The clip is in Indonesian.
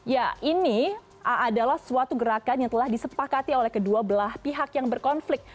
ya ini adalah suatu gerakan yang telah disepakati oleh kedua belah pihak yang berkonflik